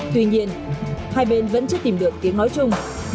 tuy nhiên hai bên vẫn chưa tìm được tiếng nói chung